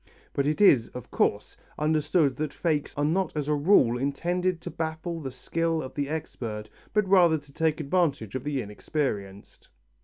But it is, of course, understood that fakes are not as a rule intended to baffle the skill of the expert but rather to take advantage of the inexperienced.